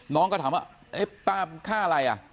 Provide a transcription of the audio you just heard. น้องก็ถามว่าป้าค่าอะไรอ่ะ